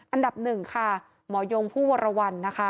อันดับหนึ่งค่ะหมอยงผู้วรวรรณนะคะ